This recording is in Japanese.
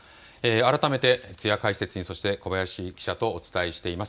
改めて津屋解説委員、そして林記者とお伝えしています。